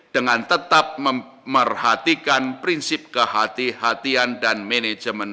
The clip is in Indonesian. dengan tetap memperhatikan prinsip kehatian dan manajemen